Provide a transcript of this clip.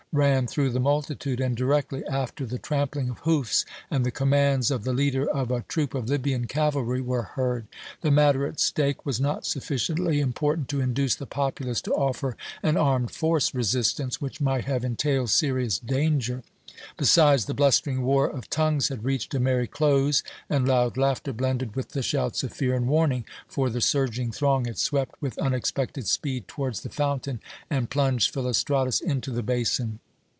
ran through the multitude, and directly after the trampling of hoofs and the commands of the leader of a troop of Libyan cavalry were heard. The matter at stake was not sufficiently important to induce the populace to offer an armed force resistance which might have entailed serious danger. Besides, the blustering war of tongues had reached a merry close, and loud laughter blended with the shouts of fear and warning; for the surging throng had swept with unexpected speed towards the fountain and plunged Philostratus into the basin.